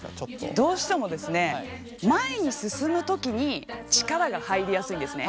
どうしても前に進む時に力が入りやすいんですね。